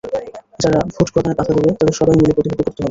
যারা ভোট প্রদানে বাধা দেবে, তাদের সবাই মিলে প্রতিহত করতে হবে।